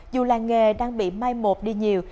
dù làng nghề đang bị mai một đi nhiều